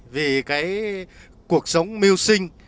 vì cuộc sống miêu sinh